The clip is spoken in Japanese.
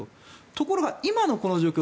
ところが今のこの状況